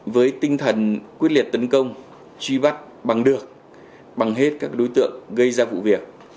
với tinh thần quyết liệt tấn công truy bắt bằng được bằng hết các đối tượng gây ra vụ việc